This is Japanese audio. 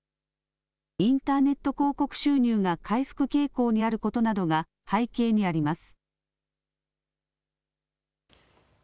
インターネット広告収入が回復傾向にあることなどが背景にあります。